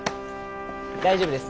大丈夫です。